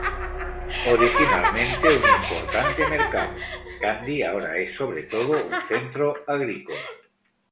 Originalmente un importante mercado, Kandi ahora es sobre todo un centro agrícola.